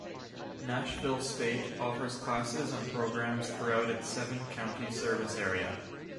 Nashville State offers classes and programs throughout its seven county service area.